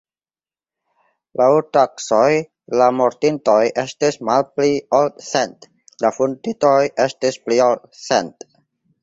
Laŭ taksoj la mortintoj estis malpli ol cent, la vunditoj estis pli ol cent.